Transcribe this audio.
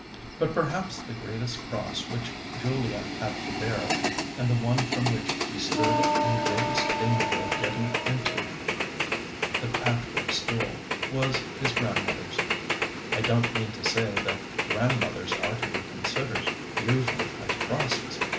But perhaps the greatest cross which Julia had to bear, and the one from which he stood in the greatest danger of getting into the Patchwork School, was his Grandmothers. I don't mean to say that grandmothers are to be considered usually as crosses.